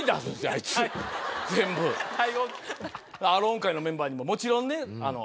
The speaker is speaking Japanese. アローン会のメンバーにももちろんね。